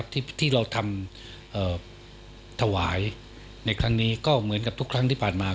ที่เราทำถวายในครั้งนี้ก็เหมือนกับทุกครั้งที่ผ่านมา